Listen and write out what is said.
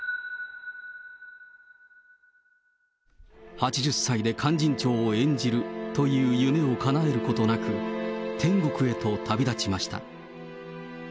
８０歳で勧進帳を演じるという夢をかなえることなく、天国へと旅立ちました。